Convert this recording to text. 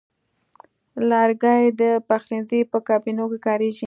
لرګی د پخلنځي په کابینو کې کاریږي.